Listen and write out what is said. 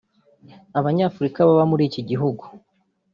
Abanyafurika baba muri iki gihugu